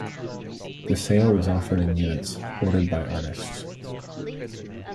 The sale was offered in units, ordered by artists.